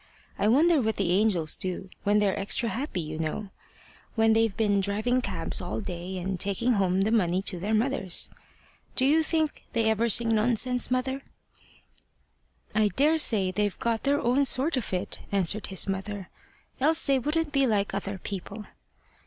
I wonder what the angels do when they're extra happy, you know when they've been driving cabs all day and taking home the money to their mothers. Do you think they ever sing nonsense, mother?" "I daresay they've got their own sort of it," answered his mother, "else they wouldn't be like other people."